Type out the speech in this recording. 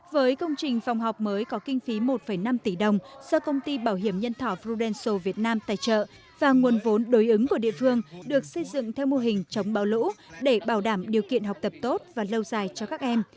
với công trình phòng học mới có kinh phí một năm tỷ đồng do công ty bảo hiểm nhân thọ fudeso việt nam tài trợ và nguồn vốn đối ứng của địa phương được xây dựng theo mô hình chống bão lũ để bảo đảm điều kiện học tập tốt và lâu dài cho các em